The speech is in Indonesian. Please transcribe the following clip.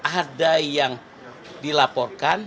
ada yang dilaporkan